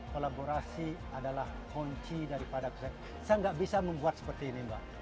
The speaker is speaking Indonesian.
kolaborasi adalah kunci daripada saya nggak bisa membuat seperti ini mbak